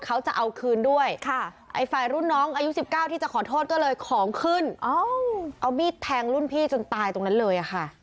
เขาจะเอาคืนด้วยไอ้ฝ่ายรุ่นน้องอายุ๑๙ที่จะขอโทษก็เลยของขึ้นเอามีดแทงรุ่นพี่จนตายตรงนั้นเลยค่ะ